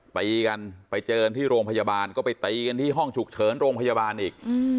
ตีกันไปเจอกันที่โรงพยาบาลก็ไปตีกันที่ห้องฉุกเฉินโรงพยาบาลอีก